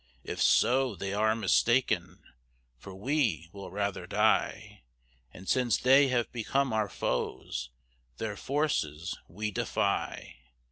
If so, they are mistaken, For we will rather die; And since they have become our foes, Their forces we defy.